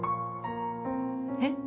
えっ？